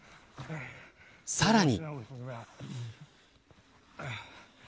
さらに。